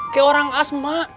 kayak orang asma